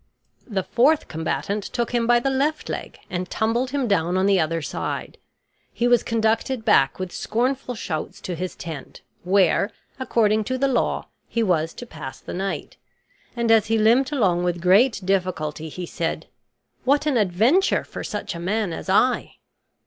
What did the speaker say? The fourth combatant took him by the left leg, and tumbled him down on the other side. He was conducted back with scornful shouts to his tent, where, according to the law, he was to pass the night; and as he limped along with great difficulty he said, "What an adventure for such a man as I!"